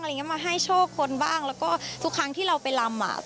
อะไรอย่างนี้มาให้โชคคนบ้างแล้วก็ทุกครั้งที่เราไปลำ